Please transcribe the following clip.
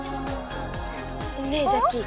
ねえジャッキー。